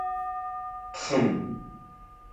Ҡхым.